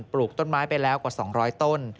ปลูกต้นไม้ไปแล้วกว่า๒๐๐ต้น